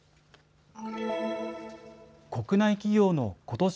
国内企業のことし